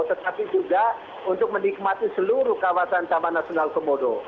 tetapi juga untuk menikmati seluruh kawasan taman nasional komodo